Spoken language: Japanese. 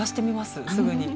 すぐに。